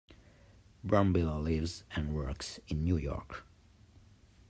Brambilla lives and works in New York.